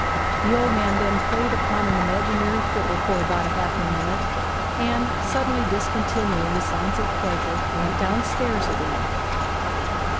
The old man then played upon an imaginary fiddle for about half a minute; and, suddenly discontinuing these signs of pleasure, went downstairs again.